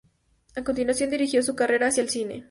A continuación dirigió su carrera hacia el cine.